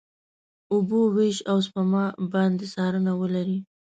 اوبو وېش، او سپما باندې څارنه ولري.